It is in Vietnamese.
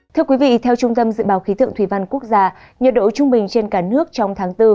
thưa quý vị theo trung tâm dự báo khí tượng thủy văn quốc gia nhiệt độ trung bình trên cả nước trong tháng bốn